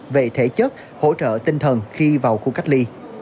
về thể chất hỗ trợ tinh thần khi vào khu cách ly